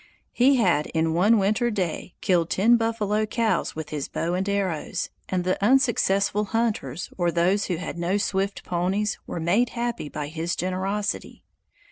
He had in one winter day killed ten buffalo cows with his bow and arrows, and the unsuccessful hunters or those who had no swift ponies were made happy by his generosity.